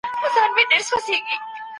لویه جرګه څنګه د اساسي قانون ملاتړ کوي؟